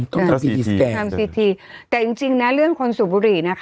จึงไม่มีจัดการแสวนแต่จริงนะเรื่องความสุขหัว